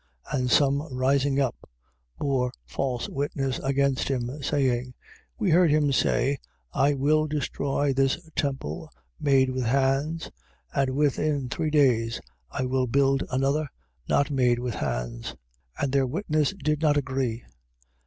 14:57. And some rising up, bore false witness against him, saying: 14:58. We heard him say, I Will destroy this temple made with hands and within three days I will build another not made with hands. 14:59. And their witness did not agree.